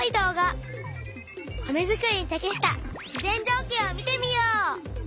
「米づくりに適した自然条件」を見てみよう。